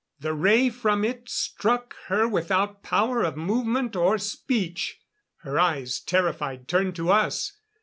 The ray from it struck her without power of movement or speech. Her eyes, terrified, turned to us.